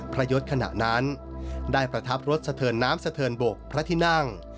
ยศขณะนั้นได้ประทับรถสะเทินน้ำสะเทินบกพระที่นั่ง